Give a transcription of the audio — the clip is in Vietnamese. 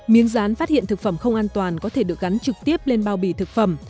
miếng rán phát hiện thực phẩm không an toàn có thể được gắn trực tiếp lên bao bì thực phẩm